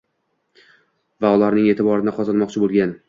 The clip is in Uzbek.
va ularning e’tiborini qozonmoqchi bo‘lgan.